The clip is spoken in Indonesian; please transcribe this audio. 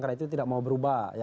karena itu tidak mau berubah